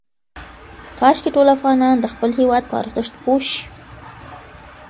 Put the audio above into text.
کاشکې ټول افغانان د خپل هېواد په ارزښت پوه شي.